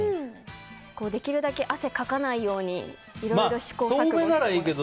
できるだけ汗をかかないように試行錯誤してます。